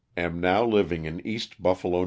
343 Am now living in East Buffalo, N.